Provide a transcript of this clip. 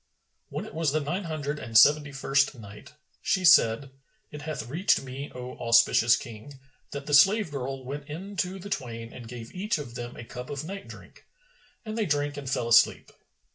When it was the Nine Hundred and Seventy first Night, She said, It hath reached me, O auspicious King, that the slave girl went in to the twain and gave each of them a cup of night drink, and they drank and fell asleep.